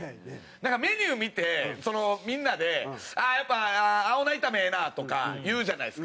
だからメニュー見てみんなで「やっぱ青菜炒めええな！」とか言うじゃないですか。